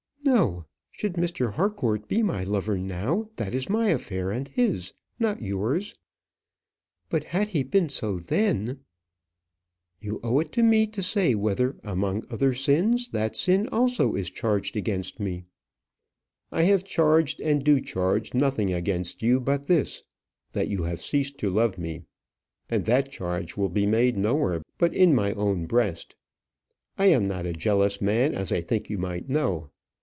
"No; should Mr. Harcourt be my lover now, that is my affair and his, not yours. But had he been so then You owe it to me to say whether among other sins, that sin also is charged against me?" "I have charged and do charge nothing against you, but this that you have ceased to love me. And that charge will be made nowhere but in my own breast. I am not a jealous man, as I think you might know.